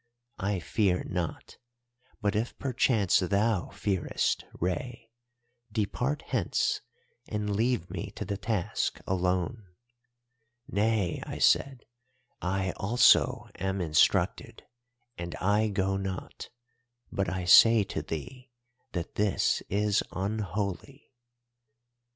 I fear not, but if perchance thou fearest, Rei, depart hence and leave me to the task alone.' "'Nay,' I said. 'I also am instructed, and I go not. But I say to thee that this is unholy.